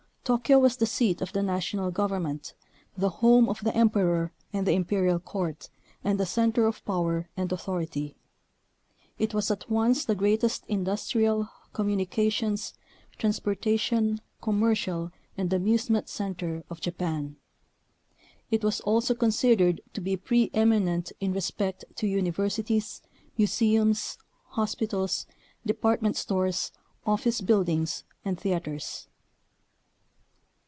Tokyo was 68 the seat of the national government, the home of the emperor and the imperial court and the center of power and authority. It was at once the greatest industrial, communications, trans portation, commercial, and amusement center of Japan. It was also considered to be pre eminent in respect to universities, museums, hospitals, department stores, office buildings, and theaters.